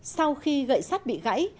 sau khi gậy sắt bị gãy